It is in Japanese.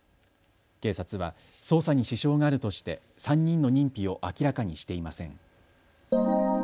警察は捜査に支障があるとして３人の認否を明らかにしていません。